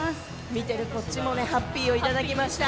見てるこっちもハッピーをいただきました。